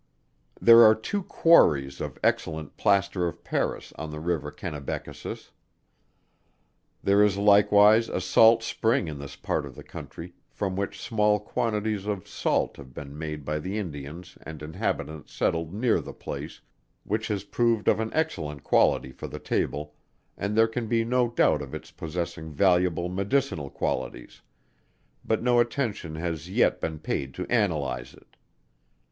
There are two quarries of excellent Plaster of Paris on the river Kennebeckasis. There is likewise a salt spring in this part of the country, from which small quantities of salt have been made by the Indians and Inhabitants settled near the place, which has proved of an excellent quality for the table, and there can be no doubt of its possessing valuable medicinal qualities; but no attention has yet been paid to analyse it.